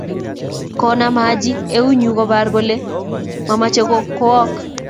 Konam Haji euu koboru kole mameche kowok.